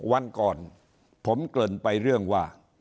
วันก่อนผมเกริ่นไปเรื่องว่า